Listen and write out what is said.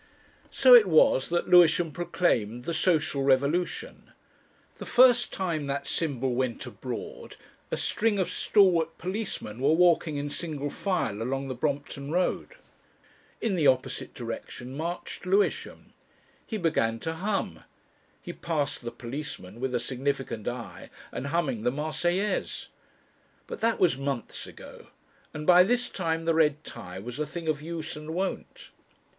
So it was that Lewisham proclaimed the Social Revolution. The first time that symbol went abroad a string of stalwart policemen were walking in single file along the Brompton Road. In the opposite direction marched Lewisham. He began to hum. He passed the policemen with a significant eye and humming the Marseillaise.... But that was months ago, and by this time the red tie was a thing of use and wont.